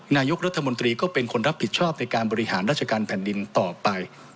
นายกรัฐมนตรีก็เป็นคนรับผิดชอบในการบริหารราชการแผ่นดินต่อไป